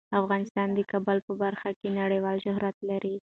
افغانستان د کابل په برخه کې نړیوال شهرت لري.